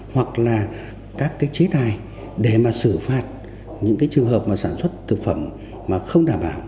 hoặc là các cái chế tài để mà xử phạt những cái trường hợp mà sản xuất thực phẩm mà không đảm bảo